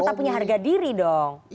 tapi tetap punya harga diri dong